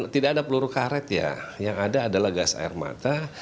tidak ada peluru karet ya yang ada adalah gas air mata